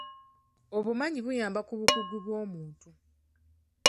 Obumanyi buyamba ku bukugu bw'omuntu.